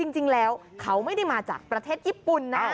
จริงแล้วเขาไม่ได้มาจากประเทศญี่ปุ่นนะ